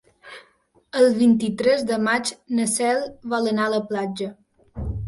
El vint-i-tres de maig na Cel vol anar a la platja.